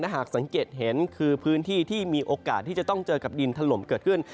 หากสังเกตเห็นคือพื้นที่ที่มีโอกาสที่จะต้องเจอกับดินถล่มเกิดขึ้น